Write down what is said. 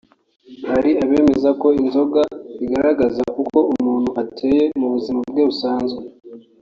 Hari abemeza ko inzoga igaragaza uko umuntu ateye mu buzima bwe busanzwe